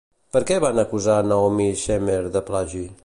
Per què van acusar Naomi Shemer de plagi?